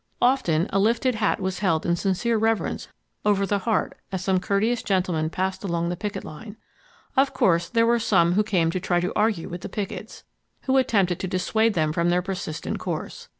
Often a lifted hat was held in sincere reverence over the heart as some courteous gentleman passed along the picket line. Of course there were some who came to try to argue with the pickets; who attempted to dissuade them from their persistent course.